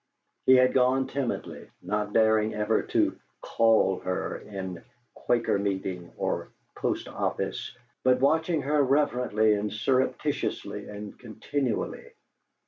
He had gone timidly, not daring ever to "call" her in "Quaker Meeting" or "Post office," but watching her reverently and surreptitiously and continually.